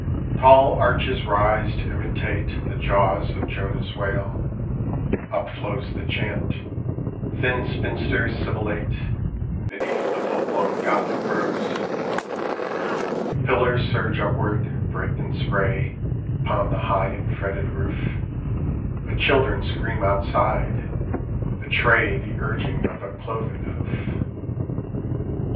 Tall arches rise to imitate The jaws of Jonah's whale. Up flows The chant. Thin spinster's sibilate Beneath the full blown Gothic rose. Pillars surge upward, break in spray Upon the high and fretted roof ; But children scream outside — betray The urging of a cloven hoof.